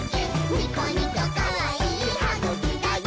ニコニコかわいいはぐきだよ！」